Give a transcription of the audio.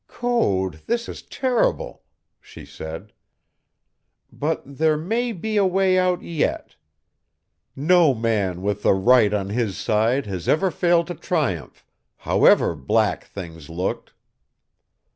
"Code, this is terrible!" she said. "But there may be a way out yet. No man with the right on his side has ever failed to triumph, however black things looked."